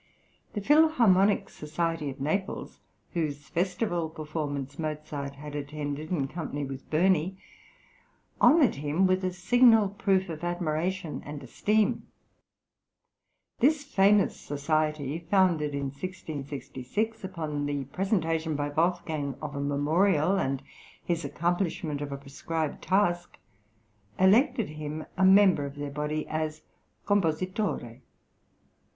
The Philharmonic Society of Naples, whose festival performance Mozart had attended in company with Burney, {ELECTION TO THE ÀCCÀDEMIA FILARMONICA.} (127) honoured him with a signal proof of admiration and esteem. This famous society, founded in 1666, upon the presentation by Wolfgang of a memorial, and his accomplishment of a prescribed task, elected him a member of their body as Com positore.